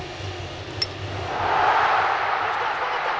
レフトが深かった。